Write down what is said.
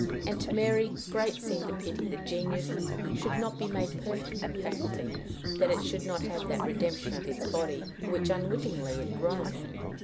and to Mary great seemed the pity that genius should not be made perfect in faculty, that it should not have that redemption of its body for which unwittingly it groaned.